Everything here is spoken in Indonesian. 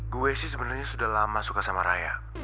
gue sih sebenarnya sudah lama suka sama raya